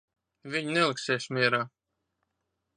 Viņi neliksies mierā.